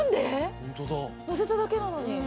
のせただけなのに。